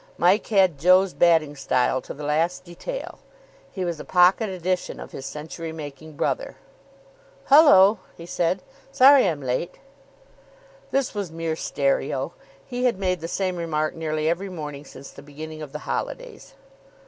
Mike had Joe's batting style to the last detail. He was a pocket edition of his century making brother. "Hullo," he said, "sorry I'm late." This was mere stereo. He had made the same remark nearly every morning since the beginning of the holidays.